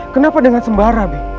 kenapa dengan sembara b